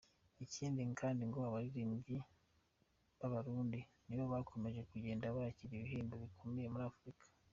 Ikindi kandi ngo abaririmbyi b’Abarundi nibo bakomeje kugenda bakira ibihembo bikomeye muri Afurika.